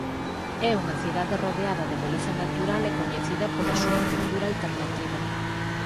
É unha cidade rodeada de beleza natural e coñecida pola súa cultura alternativa.